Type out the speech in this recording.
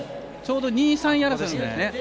ちょうど２位、３位争いですね。